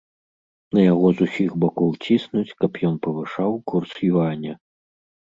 На яго з усіх бакоў ціснуць, каб ён павышаў курс юаня.